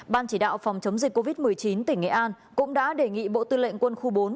ban chỉ đạo phòng chống dịch covid một mươi chín tỉnh nghệ an cũng đã đề nghị bộ tư lệnh quân khu bốn